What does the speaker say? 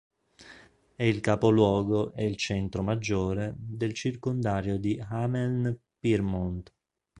È il capoluogo, e il centro maggiore, del circondario di Hameln-Pyrmont.